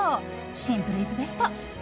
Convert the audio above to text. シンプル・イズ・ベスト。